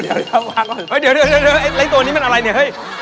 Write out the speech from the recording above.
เดี๋ยวคนที่ตัวนี้มันอะไรนี่